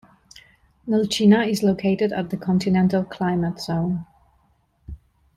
Nelchina is located at the continental climate zone.